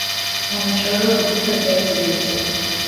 Unashauriwa kupika viazi lishe vikiwa havija menywa